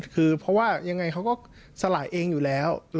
คือเพราะว่ายังไงเขาก็สลายเองอยู่แล้ว